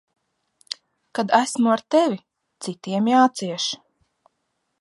Kad esmu ar tevi, citiem jācieš.